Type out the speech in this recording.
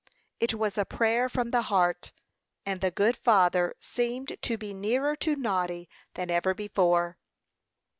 It was a prayer from the heart, and the good Father seemed to be nearer to Noddy than ever before.